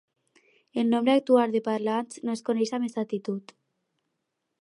El nombre actual de parlants no es coneix amb exactitud.